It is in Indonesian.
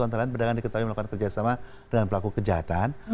antara lain pedagang diketahui melakukan kerjasama dengan pelaku kejahatan